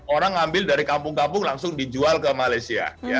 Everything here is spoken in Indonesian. orang ngambil dari kampung kampung langsung dijual ke malaysia